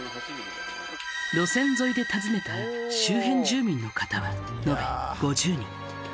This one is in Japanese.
路線沿いで訪ねた周辺住民の方は延べ５０人。